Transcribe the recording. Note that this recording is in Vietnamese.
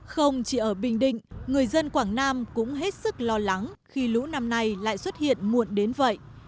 không chỉ ở bình định người dân quảng nam cũng hết sức lo lắng khi lũ năm nay lại xuất hiện muộn đến vậy